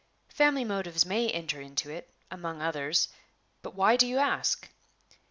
"Family motives may enter into it among others but why do you ask?"